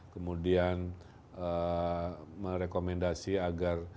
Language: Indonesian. kemudian merekomendasi agar